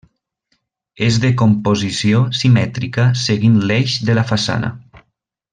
És de composició simètrica seguint l'eix de la façana.